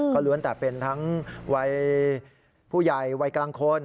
ก็ล้วนแต่เป็นทั้งวัยผู้ใหญ่วัยกลางคน